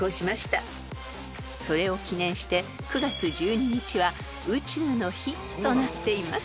［それを記念して９月１２日は宇宙の日となっています］